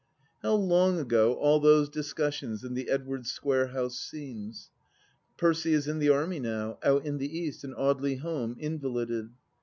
How long ago all those discussions in the Edwardes Square house seem ! Percy is in the Army, now, out in the East, and Audely home, invalided.